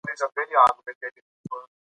ده وویل، د نوي رنګ کشف لا هم بحثوړ دی.